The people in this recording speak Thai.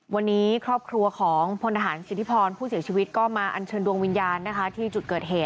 วันนี้ครอบครัวของพลทหารสิทธิพรผู้เสียชีวิตก็มาอัญเชิญดวงวิญญาณนะคะที่จุดเกิดเหตุ